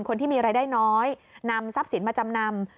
คนที่มีรายได้น้อยนำทรัพย์สินมาจำนำ